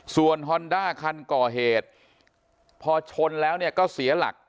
ส่วนฮอนด้าคันก่อเหตุพอชนแล้วเนี่ยก็เสียหลัก